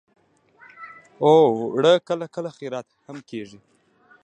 اوړه کله کله خیرات هم کېږي